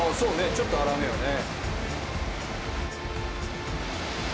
ちょっと荒めよね。